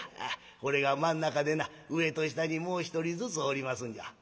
これが真ん中でな上と下にもう一人ずつおりますんじゃ」。